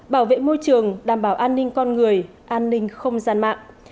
bảo vệ môi trường đảm bảo an ninh con người an ninh không gian mạng